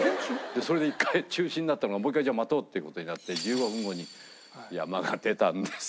それで一回中止になったのがもう一回じゃあ待とうっていう事になって１５分後に山が出たんですよ。